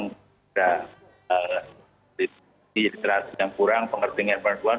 sudah diiterasi yang kurang pengertian perempuan